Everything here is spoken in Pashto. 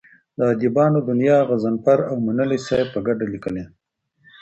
د ادبیاتو دونیا غضنفر اومنلی صاحب په کډه لیکلې ده.